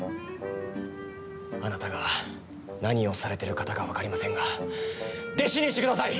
あなたが何をされてる方か分かりませんが弟子にしてください！